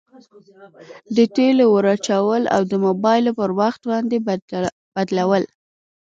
د تیلو ور اچول او د مبلایلو پر وخت باندي بدلول.